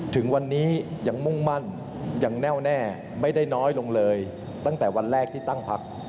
ถึงวันนี้ยังมุ่งมั่นยังแน่วแน่ไม่ได้น้อยลงเลยตั้งแต่วันแรกที่ตั้งพัก